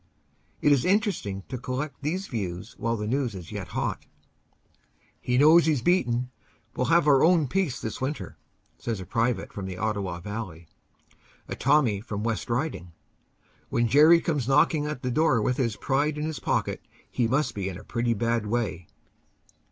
It is interesting to collect these views while the news is yet hot. "He knows he s beaten; we ll have our own peace this winter," says a private from the Ottawa Valley. A Tommy from the W 7 est Riding: "When Gerry comes knock ing at the door with his pride in his pocket, he must be in a pretty bad way."